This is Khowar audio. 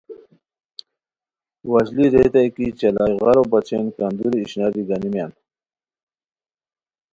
وشلی ریتائے کی چالائے غارو بچین کندوری اشناری گانیمیان